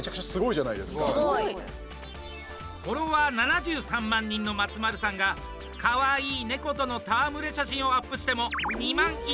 フォロワー７３万人の松丸さんがかわいい猫とのたわむれ写真をアップしても２万いいね。